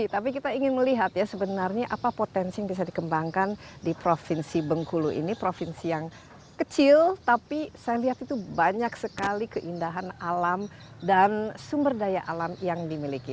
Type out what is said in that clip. tapi kita ingin melihat ya sebenarnya apa potensi yang bisa dikembangkan di provinsi bengkulu ini provinsi yang kecil tapi saya lihat itu banyak sekali keindahan alam dan sumber daya alam yang dimiliki